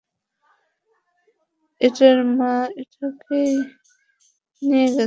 এটার মা এটাকে নিয়ে গেছে।